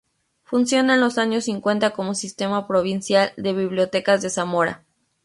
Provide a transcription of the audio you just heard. Funciona en los años cincuenta como Sistema Provincial de Bibliotecas de Zamora.